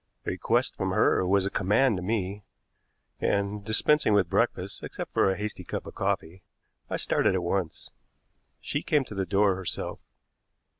A request from her was a command to me, and, dispensing with breakfast, except for a hasty cup of coffee, I started at once. She came to the door herself.